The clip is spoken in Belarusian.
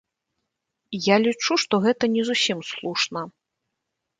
Я лічу, што гэта не зусім слушна.